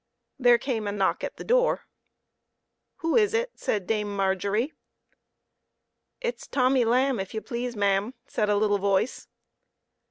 There came a knock at the door. " Who is it ?" said Dame Margery. " It's Tommy Lamb, if you please, ma'am," said a little voice.